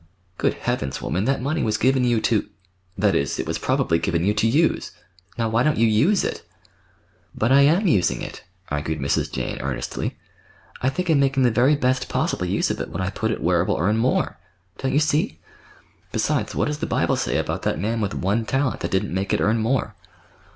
"Good Heavens, woman, that money was given you to—that is, it was probably given you to use. Now, why don't you use it?" "But I am using it," argued Mrs. Jane earnestly. "I think I'm making the very best possible use of it when I put it where it will earn more. Don't you see? Besides, what does the Bible say about that man with one talent that didn't make it earn more?"